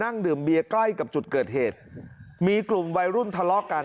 ดื่มเบียร์ใกล้กับจุดเกิดเหตุมีกลุ่มวัยรุ่นทะเลาะกัน